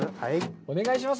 お願いします。